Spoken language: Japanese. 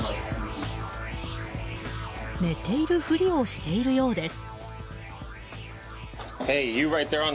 寝ているふりをしているようです。